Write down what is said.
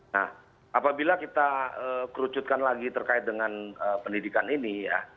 nah apabila kita kerucutkan lagi terkait dengan pendidikan ini ya